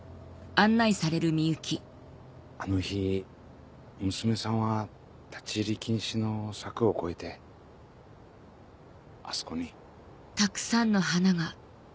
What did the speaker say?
あの日娘さんは立ち入り禁止の柵を越えてあそこに。